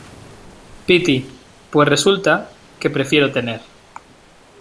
piti, pues resulta que prefiero tener